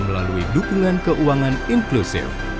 melalui dukungan keuangan inklusif